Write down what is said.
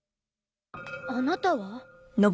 あなたは？